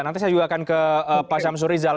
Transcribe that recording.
nanti saya juga akan ke pak syamsur rizal